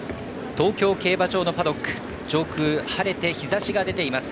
東京競馬場のパドック上空晴れて日ざしが出ています。